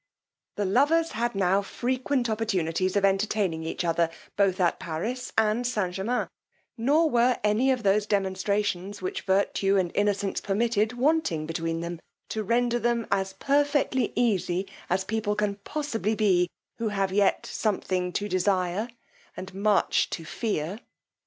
The lovers had now frequent opportunities of entertaining each other both at Paris and St. Germains: nor were any of those demonstrations which virtue and innocence permitted, wanting between them, to render them as perfectly easy as people can possibly be, who have yet something to desire, and much to fear.